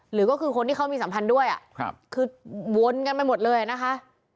หรือก็คือคนที่เขามีสัมพันธ์ด้วยคือวนกันไปหมดเลยนะคะ